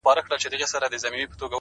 د ميني داغ ونه رسېدی؛